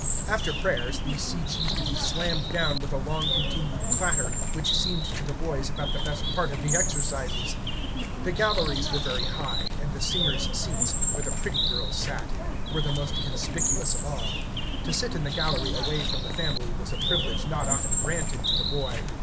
After prayers these seats used to be slammed down with a long continued clatter, which seemed to the boys about the best part of the exercises. The galleries were very high, and the singers' seats, where the pretty girls sat, were the most conspicuous of all. To sit in the gallery away from the family, was a privilege not often granted to the boy.